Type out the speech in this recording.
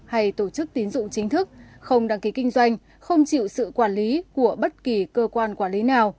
hay tổ chức tín dụng chính thức không đăng ký kinh doanh không chịu sự quản lý của bất kỳ cơ quan quản lý nào